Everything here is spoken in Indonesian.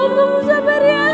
bungu sabar ya